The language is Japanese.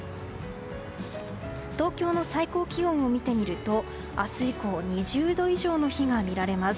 東京の最高気温を見てみると明日以降２０度以上の日が見られます。